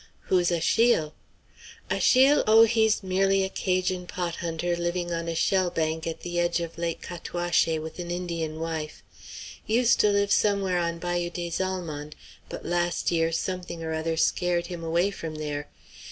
"Who is Achille?" "Achille? Oh! he's merely a 'Cajun pot hunter living on a shell bank at the edge of Lake Cataouaché, with an Indian wife. Used to live somewhere on Bayou des Allemands, but last year something or other scared him away from there.